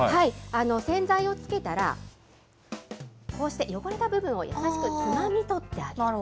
洗剤をつけたら、こうして汚れた部分は優しくつまみ取ってあげる。